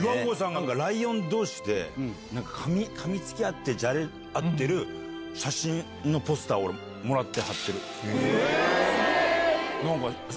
ライオン同士でかみつき合ってじゃれ合ってる写真のポスターもらって。